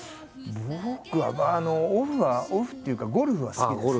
僕はオフはオフっていうかゴルフは好きですね。